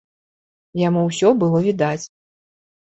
Яму ўсё было відаць.